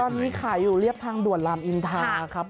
ตอนนี้ขายอยู่เรียบทางด่วนรามอินทาครับ